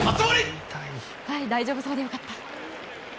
大丈夫そうで良かった。